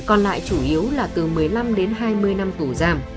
còn lại chủ yếu là từ một mươi năm đến hai mươi năm tù giam